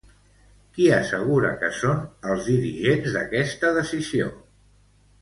Qui assegura que són els dirigents d'aquesta decisió?